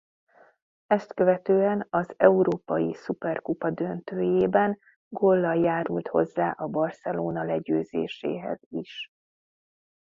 Ezt követően az Európai Szuperkupa döntőjében góllal járult hozzá a Barcelona legyőzéséhez is.